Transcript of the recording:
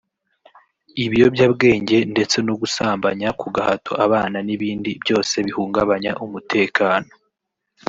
ibiyobyabwenge ndetse no gusambanya ku gahato abana n’ibindi byose bihungabanya umutekano